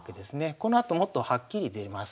このあともっとはっきり出ます。